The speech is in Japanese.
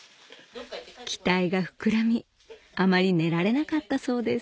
期待が膨らみあまり寝られなかったそうです